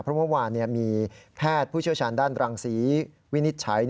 เพราะเมื่อวานมีแพทย์ผู้เชี่ยวชาญด้านรังศรีวินิจฉัย